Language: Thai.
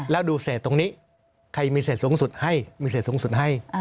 แล้วดูเศษตรงนี้ใครมีเศษสูงสุดให้มีเศษสูงสุดให้